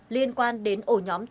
liên quan đến ổ nhóm tổ chức